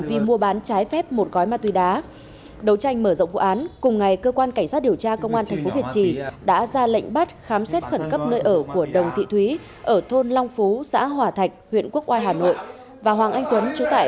trước khi mở rộng vụ án cùng ngày cơ quan cảnh sát điều tra công an tp việt trì đã ra lệnh bắt khám xét khẩn cấp nơi ở của đồng thị thúy ở thôn long phú xã hòa thạch huyện quốc oai hà nội và hà nội và một sân máy